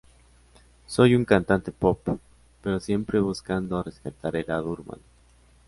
Soy un cantante pop, pero siempre buscando rescatar el lado urbano.